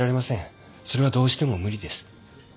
それはどうしても無理です。